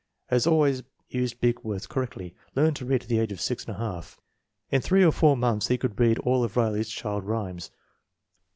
Has always used big words correctly. Learned to read at the age of 6 $. In three or four months he could read all of Riley 's child rhymes.